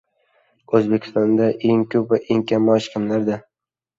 O‘zbekistonda eng ko‘p va eng kam maosh kimlarda?